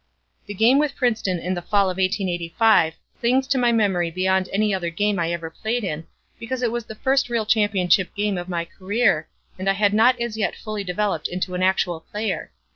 "The game with Princeton in the Fall of 1885 clings to my memory beyond any other game I ever played in, because it was the first real championship game of my career, and I had not as yet fully developed into an actual player.